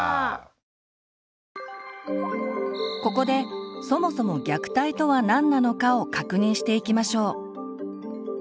ここでそもそも虐待とは何なのか？を確認していきましょう。